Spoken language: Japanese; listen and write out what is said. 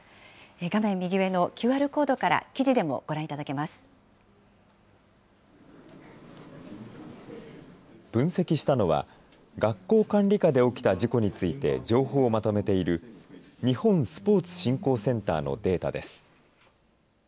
画面右上のＱＲコードから、記事分析したのは、学校管理下で起きた事故について、情報をまとめている日本スポーツ振興センターのデータです。